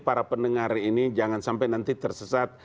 para pendengar ini jangan sampai nanti tersesat